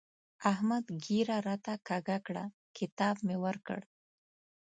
احمد ږيره راته کږه کړه؛ کتاب مې ورکړ.